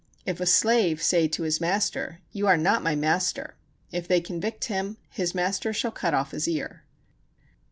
If a slave say to his master: "You are not my master," if they convict him his master shall cut off his ear.